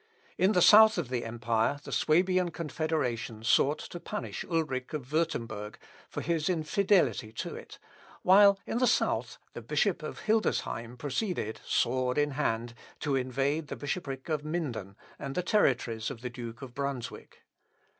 In the south of the empire the Swabian confederation sought to punish Ulric of Wurtemberg, for his infidelity to it, while in the south, the Bishop of Hildesheim proceeded, sword in hand, to invade the bishopric of Minden, and the territories of the Duke of Brunswick.